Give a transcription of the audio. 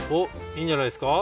いいんじゃないですか！